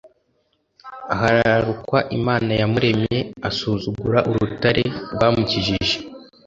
ahararukwa imana yamuremye, asuzugura urutare rwamukijije.